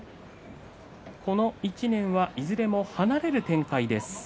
この１年はいずれも離れる展開です。